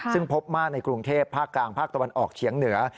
ซึ่งพบมากในกรุงเทพภาคกลางภาคตะวันออกเฉียงเหนือ